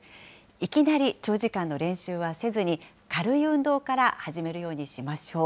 いきなり長時間の練習はせずに、軽い運動から始めるようにしましょう。